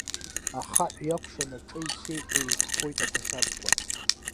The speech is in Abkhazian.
Ахаҳә иакәшан аҿеҩ-сеҩҳәа еиқәԥоит ақәасабқәа.